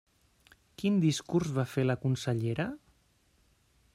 Quin discurs va fer la consellera?